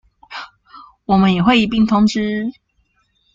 我們也會一併通知